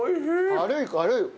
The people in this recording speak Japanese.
軽い軽い。